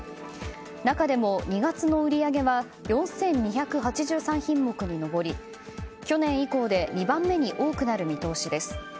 中でも、２月の値上げは４２８３品目に上り去年以降で２番目に多くなる見通しです。